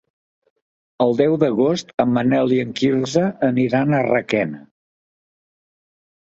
El deu d'agost en Manel i en Quirze aniran a Requena.